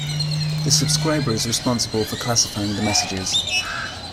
The subscriber is responsible for classifying the messages.